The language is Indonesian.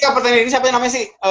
siapa pertanyaan ini siapa namanya sih